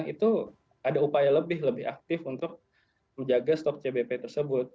itu ada upaya lebih lebih aktif untuk menjaga stok cbp tersebut